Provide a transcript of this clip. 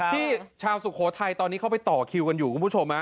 ที่ชาวสุโครไทยตอนนี้เขาไปต่อคิวกันอยู่กัน